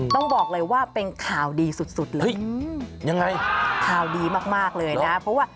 ต้องบอกเลยว่าเป็นข่าวดีสุดเลยยังไงข่าวดีมากเลยนะเพราะว่า